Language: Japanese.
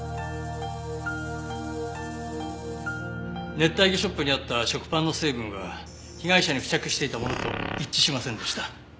熱帯魚ショップにあった食パンの成分は被害者に付着していたものと一致しませんでした。